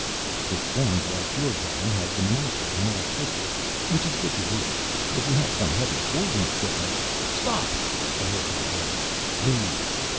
"It sounds like your gang has the monopoly on electricity, which is good to hear. If you have some heavy forging equipment...." "Stop!" the Hertug ordered. "Leave!